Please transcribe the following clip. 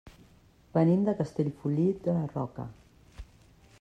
Venim de Castellfollit de la Roca.